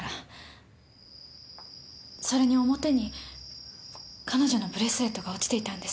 それに表に彼女のブレスレットが落ちていたんです。